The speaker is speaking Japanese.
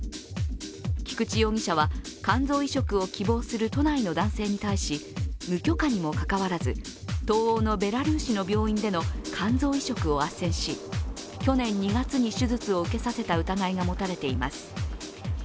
菊池容疑者は、肝臓移植を希望する都内の男性に対し、無許可にもかかわらず、東欧のベラルーシの病院での肝臓移植をあっせんし去年２月に手術を受けさせた疑いが持たれています。